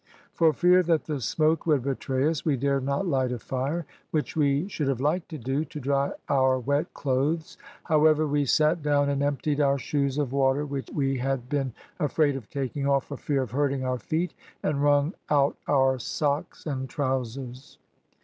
For fear that the smoke would betray us we dared not light a fire, which we should have liked to do, to dry our wet clothes. However, we sat down and emptied our shoes of water, which we had been afraid of taking off for fear of hurting our feet, and wrung out our socks and trousers.